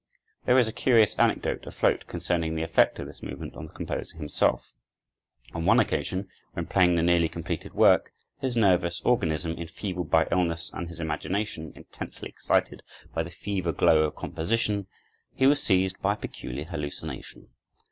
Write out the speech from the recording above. There is a curious anecdote afloat concerning the effect of this movement on the composer himself. On one occasion, when playing the nearly completed work, his nervous organism enfeebled by illness and his imagination intensely excited by the fever glow of composition, he was seized by a peculiar hallucination.